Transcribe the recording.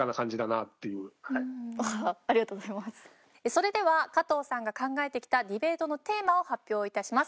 それでは加藤さんが考えてきたディベートのテーマを発表致します。